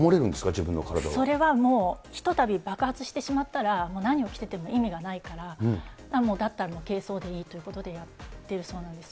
自分それはもう、ひとたび爆発してしまったら、何を着てても意味がないから、だったらもう軽装でいいということでやってるそうなんです。